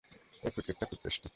এই ফ্রুটকেকটা খুব টেস্টি!